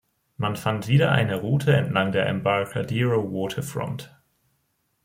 Man fand wieder eine Route entlang der "Embarcadero Waterfront".